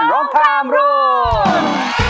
ร้องกามรุน